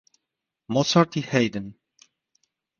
Mozart y Haydn.